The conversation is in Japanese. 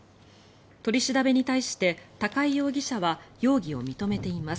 取り調べに対して、高井容疑者は容疑を認めています。